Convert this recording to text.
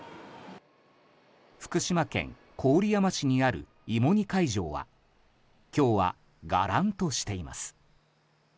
福島県郡山市にあるいも煮会場は今日は、がらんとしています。